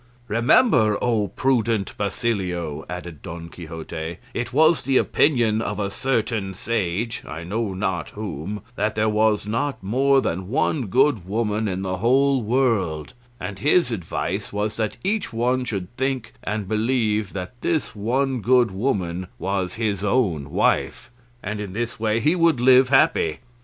"Remember, O prudent Basilio," added Don Quixote, "it was the opinion of a certain sage, I know not whom, that there was not more than one good woman in the whole world; and his advice was that each one should think and believe that this one good woman was his own wife, and in this way he would live happy.